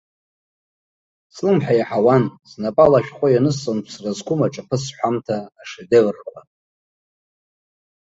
Слымҳа иаҳауан, снапала ашәҟәы ианысҵон ԥсра зқәым аҿаԥыц ҳәамҭа ашедеврқәа.